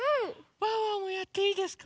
ワンワンもやっていいですか？